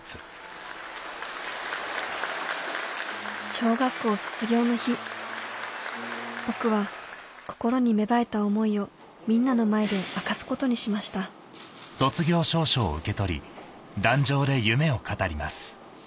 小学校卒業の日僕は心に芽生えた思いをみんなの前で明かすことにしました岩川雅治。